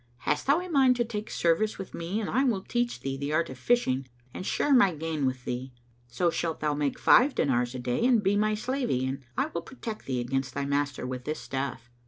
Hast thou a mind to take service with me and I will teach thee the art of fishing and share my gain with thee? So shalt thou make five dinars a day and be my slavey and I will protect thee against thy master with this staff."